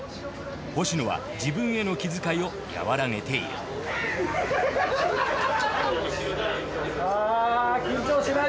星野は自分への気遣いを和らげているはい。